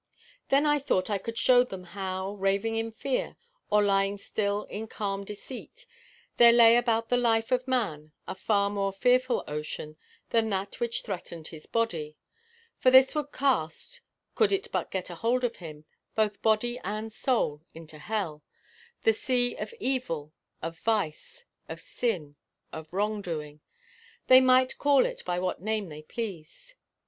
Then I thought I could show them how, raving in fear, or lying still in calm deceit, there lay about the life of man a far more fearful ocean than that which threatened his body; for this would cast, could it but get a hold of him, both body and soul into hell the sea of evil, of vice, of sin, of wrong doing they might call it by what name they pleased.